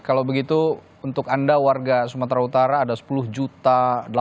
kalau begitu untuk anda warga sumatera utara ada sepuluh delapan ratus